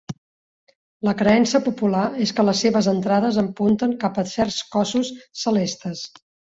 La creença popular és que les seves entrades apunten cap a certs cossos celestes.